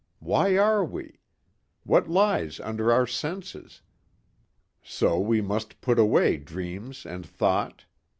Why are we? What lies under our senses? So we must put away dreams and thought.